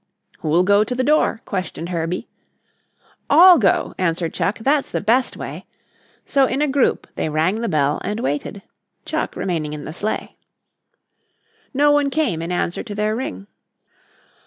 "Who'll go to the door?" questioned Herbie. "All go," answered Chuck. "That's the best way." So in a group they rang the bell and waited, Chuck remaining in the sleigh. No one came in answer to their ring.